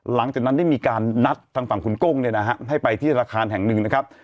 หลังจากนั้นได้มีการนัดทางฝั่งคุณกุ้งเนี่ยนะฮะให้ไปที่ธนาคารแห่งหนึ่งนะครับ